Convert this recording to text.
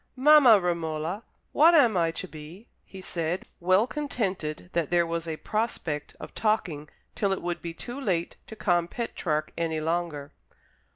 "Mamma Romola, what am I to be?" he said, well contented that there was a prospect of talking till it would be too late to con Petrarch any longer.